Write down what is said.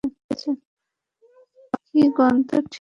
কি গুন্থার, ঠিক বলিনি?